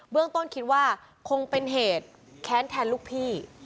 เรื่องต้นคิดว่าคงเป็นเหตุแค้นแทนลูกพี่